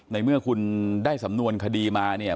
ในเมื่อคุณได้สำนวนคดีมาเนี่ย